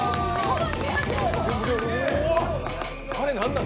あれ、何なん？